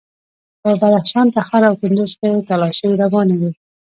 په بدخشان، تخار او کندوز کې تالاشۍ روانې وې.